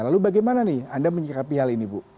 lalu bagaimana nih anda menyikapi hal ini bu